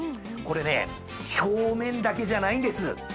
これね表面だけじゃないんです。